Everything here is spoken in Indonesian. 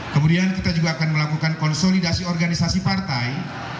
kemudian kita juga akan melakukan konsolidasi organisasi partai